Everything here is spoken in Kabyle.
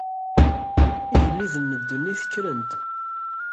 Igelliden n ddunit kkren-d.